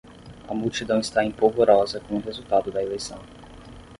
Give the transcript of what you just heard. A multidão está em polvorosa com o resultado da eleição